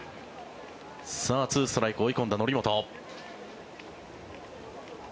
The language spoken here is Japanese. ２ストライク追い込んだ則本。